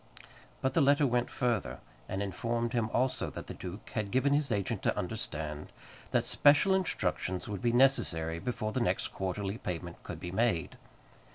But the letter went further, and informed him also that the duke had given his agent to understand that special instructions would be necessary before the next quarterly payment could be made.